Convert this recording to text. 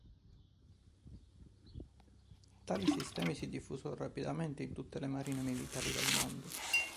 Tali sistemi si diffusero rapidamente in tutte le marine militari del mondo.